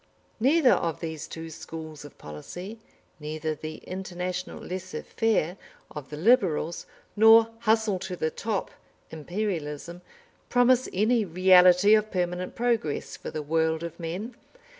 Neither of these two schools of policy, neither the international laisser faire of the Liberals, nor "hustle to the top" Imperialism, promise any reality of permanent progress for the world of men.